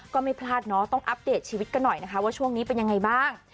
ก็ไม่พลาดเนาะต้องอัปเดตชีวิตกันหน่อยนะคะว่าช่วงนี้เป็นยังไงบ้าง